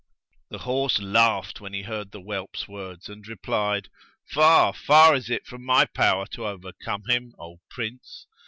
The horse laughed when he heard the whelps words and replied, 'Far, far is it from my power to overcome him, O Prince.